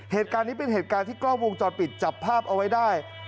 เหตุการณ์นี้เป็นเหตุการณ์ที่กล้องวงจรปิดจับภาพเอาไว้ได้